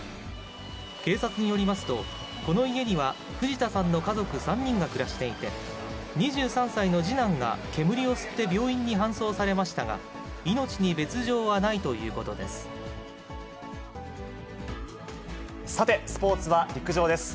警察によりますと、この家には藤田さんの家族３人が暮らしていて、２３歳の次男が煙を吸って病院に搬送されましたが、命に別状はなさて、スポーツは陸上です。